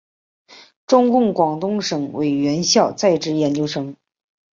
中共广东省委党校在职研究生。